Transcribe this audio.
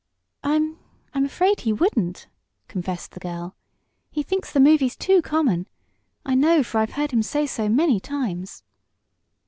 "I I'm afraid he wouldn't," confessed the girl. "He thinks the movies too common. I know, for I've heard him say so many times."